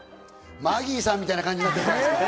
マギーさんみたいな感じになってる。